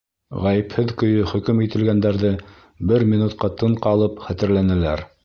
Ғәйепһеҙ көйө хөкөм ителгәндәрҙе бер минутҡа тын ҡалып хәтерләнеләр.